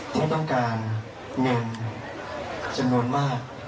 เขาต้องการเงินจำนวนมาก